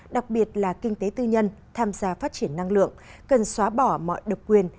đặc biệt là kinh tế tư nhân tham gia phát triển năng lượng cần xóa bỏ mọi độc quyền